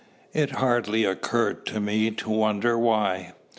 It hardly occurred to me to wonder why.